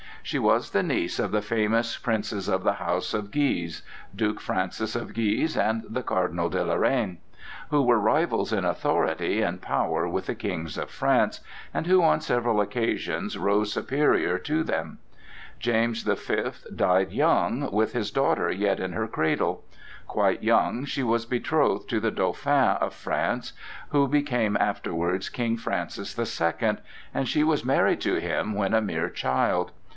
She was the niece of the famous princes of the house of Guise—Duke Francis of Guise and the Cardinal de Lorraine—who were rivals in authority and power with the kings of France, and who on several occasions rose superior to them. James the Fifth died young, with his daughter yet in her cradle. Quite young she was betrothed to the Dauphin of France, who became afterwards King Francis the Second, and she was married to him when a mere child.